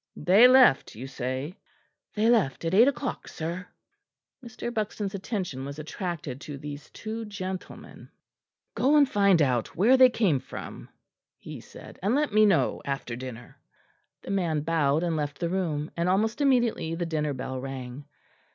"They left, you say?" "They left at eight o'clock, sir." Mr. Buxton's attention was attracted to these two gentlemen. "Go and find out where they came from," he said, "and let me know after dinner." The man bowed and left the room, and almost immediately the dinner bell rang.